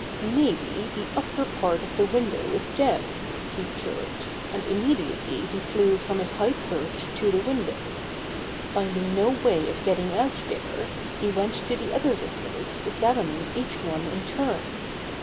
"Maybe the upper part of the window is down," he chirped, and immediately he flew from his high perch to the window. Finding no way of getting out there, he went to the other windows, examining each one in turn.